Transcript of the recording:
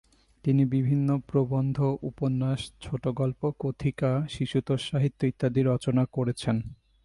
তিনি বিভিন্ন প্রবন্ধ, উপন্যাস, ছোটগল্প, কথিকা, শিশুতোষ সাহিত্য ইত্যাদি রচনা করেছেন।